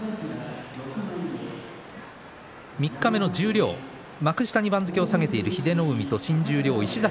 三日目の十両幕下に番付を下げている英乃海と新十両石崎